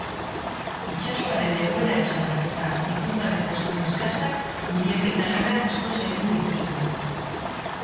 Itsasoaren egoera txarrak eta ikusgarritasun eskasak bilaketa lanak asko zaildu dituzte.